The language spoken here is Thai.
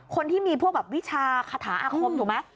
คนที่มีพวกแบบวิชาคาถาอาคมถูกไหม